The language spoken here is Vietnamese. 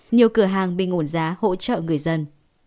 nhiều cửa hàng bị ngổn giá hỗ trợ người dân